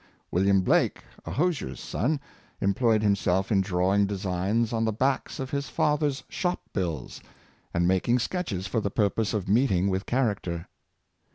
William Blake, a hosier's son, employed himself in drawing designs on the backs of his father's shop bills, and making sketches Ipnl 1=1 ^ ipnl ■^^ 386 Banhs, for the purpose of meeting with character.